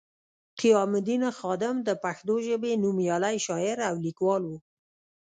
قیام الدین خادم د پښتو ژبې نومیالی شاعر او لیکوال وو